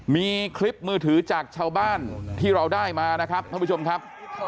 มีคลิปมือถือจากชาวบ้านที่เราได้มานะครับ